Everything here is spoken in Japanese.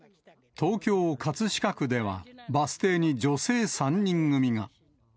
東京・葛飾区では、バス停に女性３人組が。